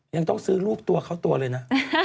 ยังต้องซื้อรูปตัวเข้าตัวเลยนะ